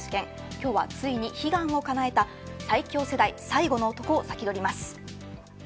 今日はついに悲願をかなえた最強世代最後の男をサキドリます。